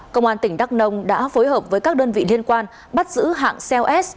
công an tỉnh đắk nông đã phối hợp với các đơn vị liên quan bắt giữ hạng cells